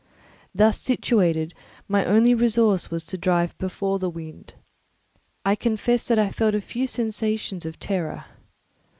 Thus situated, my only resource was to drive before the wind. I confess that I felt a few sensations of terror.